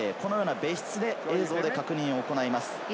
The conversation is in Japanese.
別室で映像で確認を行います。